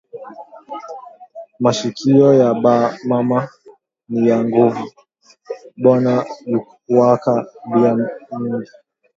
Mashikiyo ya ba mama ni ya nguvu, banayuwaka bia mingi